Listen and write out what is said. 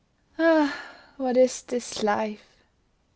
Ah! what is this life?